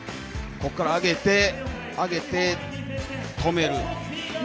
ここから上げて、止める。